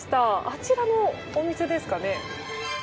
あちらのお店ですかね。